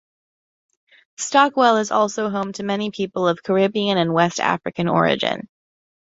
Stockwell is also home to many people of Caribbean and West African origin.